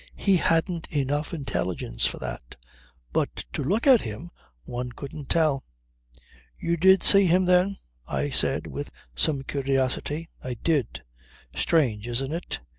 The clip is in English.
He hadn't enough intelligence for that. But to look at him one couldn't tell ..." "You did see him then?" I said with some curiosity. "I did. Strange, isn't it?